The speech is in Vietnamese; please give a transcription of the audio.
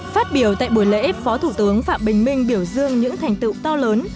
phát biểu tại buổi lễ phó thủ tướng phạm bình minh biểu dương những thành tựu to lớn